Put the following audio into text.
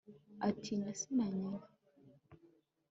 atinya se na nyina